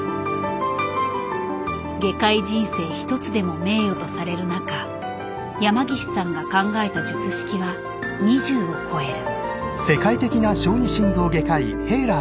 外科医人生一つでも名誉とされる中山岸さんが考えた術式は２０を超える。